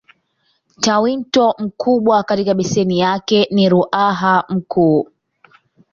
Tawimto mkubwa katika beseni yake ni Ruaha Mkuu.